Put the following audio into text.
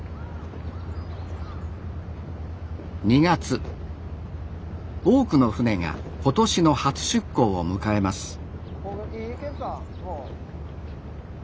２月多くの船が今年の初出港を迎えます。